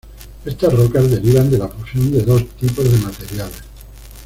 Estas rocas derivan de la fusión de dos tipos de materiales.